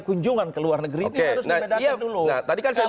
kunjungan ke luar negeri ini harus dibedakan dulu